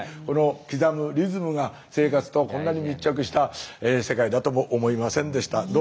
この刻むリズムが生活とこんなに密着した世界だとも思いませんでした。